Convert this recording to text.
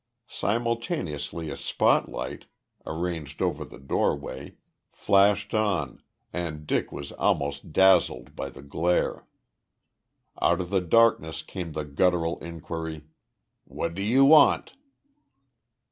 Simultaneously a spot light, arranged over the doorway, flashed on and Dick was almost dazzled by the glare. Out of the darkness came the guttural inquiry: "What do you want?"